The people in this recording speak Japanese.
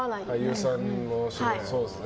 俳優さんのお仕事、そうですね。